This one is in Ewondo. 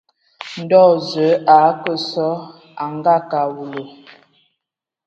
Ndo Zəə a akə sɔ a a ngakǝ a awulu.